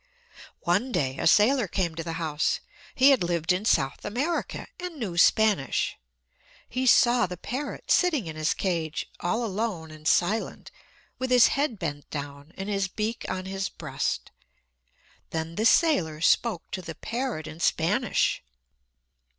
One day a sailor came to the house. He had lived in South America, and knew Spanish. He saw the parrot sitting in his cage, all alone and silent, with his head bent down, and his beak on his breast. Then the sailor spoke to the parrot in Spanish.